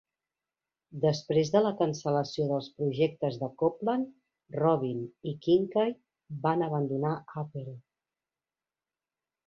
Després de la cancel·lació del projectes de Copland, Robbin i Kincaid van abandonar Apple.